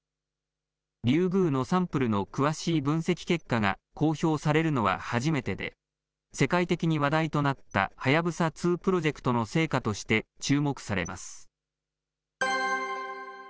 リュウグウのサンプルの詳しい分析結果が公表されるのは初めてで、世界的に話題となったはやぶさ２プロジェクトの成果として注目されます。